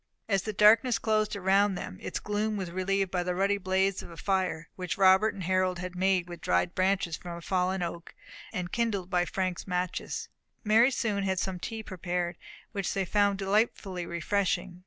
As the darkness closed around them, its gloom was relieved by the ruddy blaze of a fire, which Robert and Harold had made with dried branches from a fallen oak, and kindled by Frank's matches Mary soon had some tea prepared, which they found delightfully refreshing.